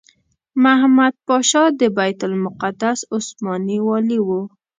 محمد پاشا د بیت المقدس عثماني والي وو.